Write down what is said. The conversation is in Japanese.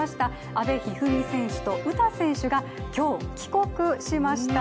阿部一二三選手と、詩選手が今日、帰国しました。